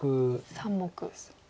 ３目。